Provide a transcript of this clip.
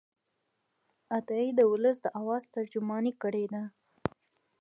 عطايي د ولس د آواز ترجماني کړې ده.